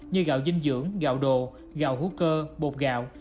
như gạo dinh dưỡng gạo đồ gạo hữu cơ bột gạo